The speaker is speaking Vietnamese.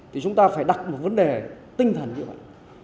thì chúng ta phải đặt một vấn đề tinh thần như vậy